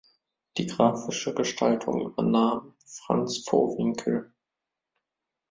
Die grafische Gestaltung übernahm Franz Vohwinkel.